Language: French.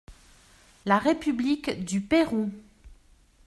La République du Pérou.